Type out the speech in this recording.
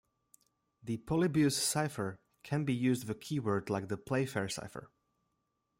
The Polybius cipher can be used with a keyword like the Playfair cipher.